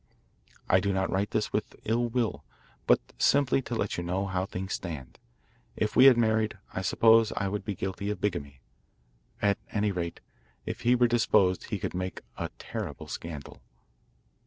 I do not write this with ill will, but simply to let you know how things stand. If we had married, I suppose I would be guilty of bigamy. At any rate, if he were disposed he could make a terrible scandal.